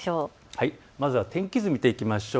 まずは天気図を見ていきましょう。